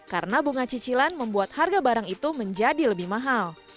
karena bunga cicilan membuat harga barang itu menjadi lebih mahal